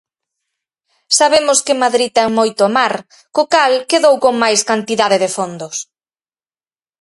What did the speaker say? Sabemos que Madrid ten moito mar, co cal quedou con máis cantidade de fondos.